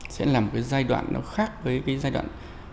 sẽ là một cái giai đoạn nó khác với cái giai đoạn hai trăm một mươi sáu hai mươi